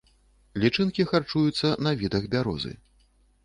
Лічынкі харчуюцца на відах бярозы.